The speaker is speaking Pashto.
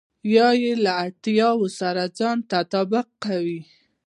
يا يې له اړتياوو سره ځان تطابق کوئ.